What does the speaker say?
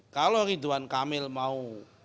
kalau ridwan kamil mau